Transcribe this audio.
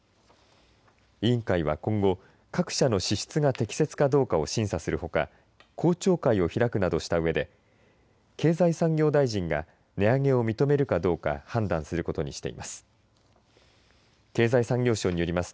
委員会は今後各社の支出が適切かどうかを審査するほか公聴会を開くなどしたうえで経済産業大臣が値上げを認めるかどうか判断することにしています。